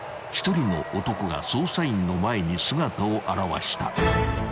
［１人の男が捜査員の前に姿を現した］